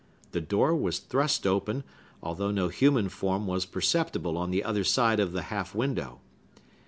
The door was thrust open, although no human form was perceptible on the other side of the half window.